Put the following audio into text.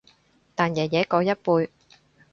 但爺爺嗰一輩